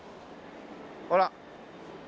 ほら。